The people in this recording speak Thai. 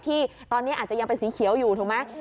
ที่ตอนนี้อาจจะยังเป็นสีเขียวอยู่ถูกไหม